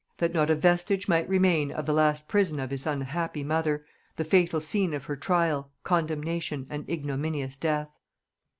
that not a vestige might remain of the last prison of his unhappy mother, the fatal scene of her trial, condemnation, and ignominious death.